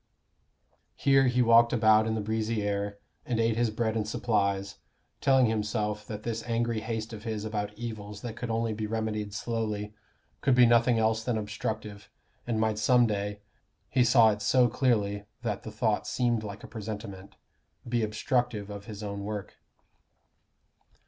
Here he walked about in the breezy air, and ate his bread and apples, telling himself that this angry haste of his about evils that could only be remedied slowly, could be nothing else than obstructive, and might some day he saw it so clearly that the thought seemed like a presentiment be obstructive of his own work.